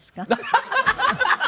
ハハハハ！